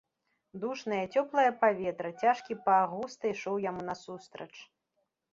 Душнае, цёплае паветра, цяжкі пах густа ішоў яму насустрач.